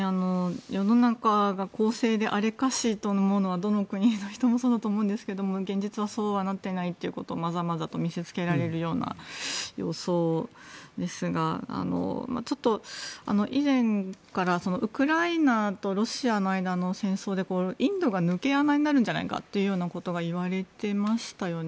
世の中が公正であれと思うのはどの国の人もそうだと思うんですけれども現実はそうはなっていないということをまざまざと見せつけられるような様相ですが以前からウクライナとロシアの間の戦争でインドが抜け穴になるんじゃないかということが言われていましたよね。